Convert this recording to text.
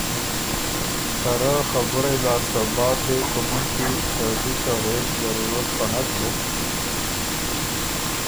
ته رۀ خبُرئ لاسته بعد دې کُومُنکی ته بی څه غوېک ضرورت خه نک بُک